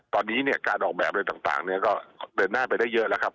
ตอนนี้การออกแบบต่างเดินหน้าไปได้เยอะแล้วครับ